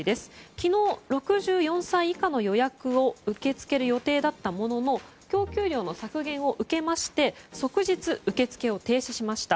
昨日、６４歳以下の予約を受け付ける予定だったものの供給量の削減を受けまして即日、受け付けを停止しました。